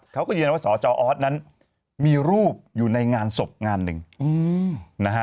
เขาก็ยืนยันว่าสจออสนั้นมีรูปอยู่ในงานศพงานหนึ่งนะฮะ